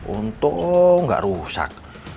untung gak rusak